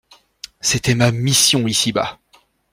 C'était ma mission ici-bas.